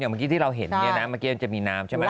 เมื่อกี้ที่เราเห็นเนี่ยนะเมื่อกี้มันจะมีน้ำใช่ไหม